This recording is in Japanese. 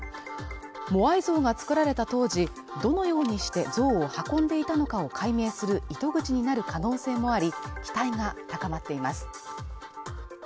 モアイ像が作られた当時、どのようにして像を運んでいたのかを解明する糸口になる可能性もあり、期待が高まっています。